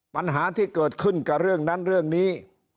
ปัญหาที่เกิดขึ้นกับเรื่องนั้นเรื่องนี้